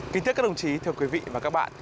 kính thưa các đồng chí thưa quý vị và các bạn